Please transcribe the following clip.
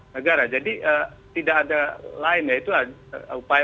negara jadi tidak ada lain yaitu upaya